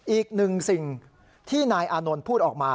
อีกหนึ่งสิ่งที่นายอานนท์พูดออกมา